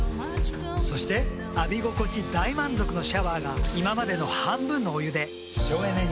そして浴び心地大満足のシャワーが今までの半分のお湯で省エネに。